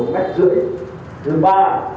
tạm biệt đặc biệt trường học